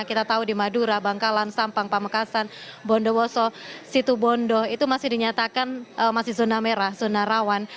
kita tahu di madura bangkalan sampang pamekasan bondowoso situbondo itu masih dinyatakan masih zona merah zona rawan